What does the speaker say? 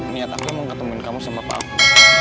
niat aku mau ketemu kamu sama papa aku